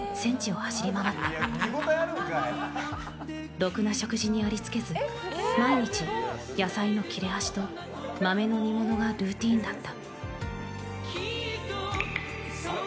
ろくな食事にありつけず、毎日野菜の切れ端と豆の煮物がルーチンだった。